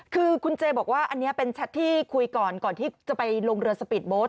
คือคุณเจบอกว่าอันนี้เป็นแชทที่คุยก่อนก่อนที่จะไปลงเรือสปีดโบสต